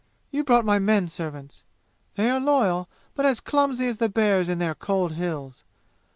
You brought my men servants! They are loyal, but as clumsy as the bears in their cold 'Hills'!